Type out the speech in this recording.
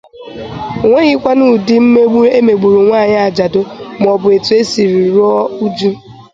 O nweghịkwanụ ụdị mmegbu e megburu nwaanyị ajadụ maọbụ etu o siri ruo uju